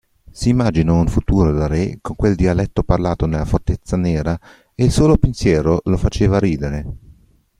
Si immaginò un futuro da Re con quel dialetto parlato nella Fortezza Nera, e il solo pensiero lo faceva ridere.